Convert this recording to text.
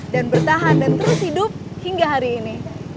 dan bertahan dan terus hidup hingga hari ini